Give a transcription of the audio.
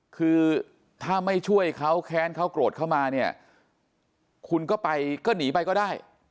คือถ้าไม่ช่วยเขาแค้นเขาโกรธเข้ามาเนี่ยคุณก็ไปก็หนีไปก็ได้